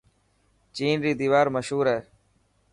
چين ري ديوار مشهور هي.